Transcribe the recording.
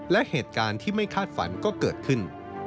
และเหตุการณ์ที่ไม่คาดฝันก็เกิดขึ้น